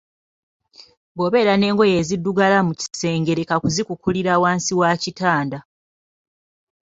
Bw‘obeera n‘engoye eziddugala mu kisenge leka kuzikukulira wansi wa kitanda.